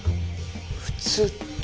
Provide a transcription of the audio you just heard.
普通って。